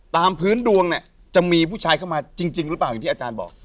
ตามพื้นดวงเนี่ยจะมีผู้ชายเข้ามาจริงหรือเปล่าอย่างที่อาจารย์บอก